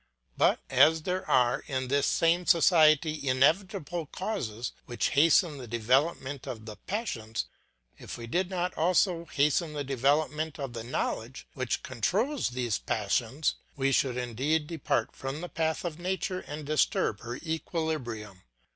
But as there are in this same society inevitable causes which hasten the development of the passions, if we did not also hasten the development of the knowledge which controls these passions we should indeed depart from the path of nature and disturb her equilibrium.